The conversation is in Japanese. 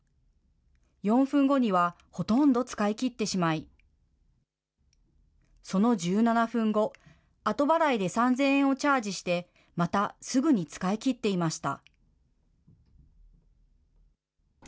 ４分後にはほとんど使い切ってしまい、その１７分後、後払いで３０００円をチャージして、またすぐに使い切っていました。